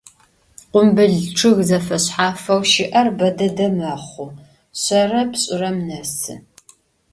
Khumbıl ççıg zefeşshafxeu şı'er be dede mexhu, şsere pş'ırem nesı.